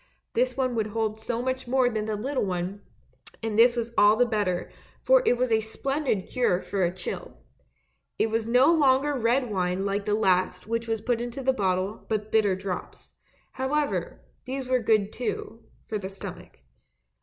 This one would hold so much more than the little one, and this was all the better, for it was such a splendid cure for a chill. It was no longer red wine like the last which was put into the bottle but bitter drops ; however, these were good too — for the stomach.